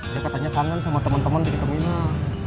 dia katanya kangen sama teman teman di terminal